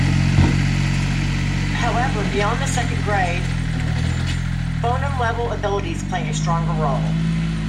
However, beyond the second grade, phoneme-level abilities play a stronger role.